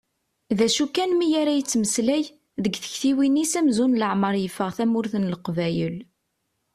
D acu kan mi ara yettmeslay, deg tiktiwin-is amzun leɛmer yeffeɣ tamurt n Leqbayel.